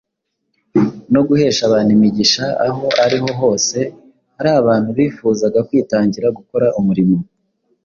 no guhesha abantu imigisha aho ari ho hose hari abantu bifuzaga kwitangira gukora umurimo